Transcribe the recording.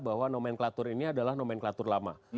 bahwa nomenklatur ini adalah nomenklatur lama